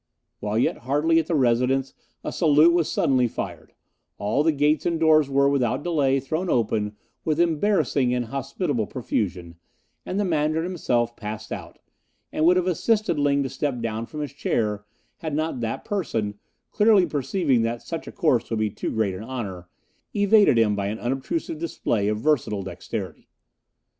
While yet hardly at the residence a salute was suddenly fired; all the gates and doors were, without delay, thrown open with embarrassing and hospitable profusion, and the Mandarin himself passed out, and would have assisted Ling to step down from his chair had not that person, clearly perceiving that such a course would be too great an honour, evaded him by an unobtrusive display of versatile dexterity.